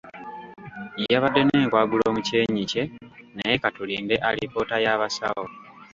Yabadde n'enkwagulo mu kyenyi kye naye ka tulinde alipoota y'abasawo.